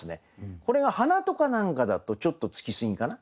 これが「花」とか何かだとちょっとつきすぎかな。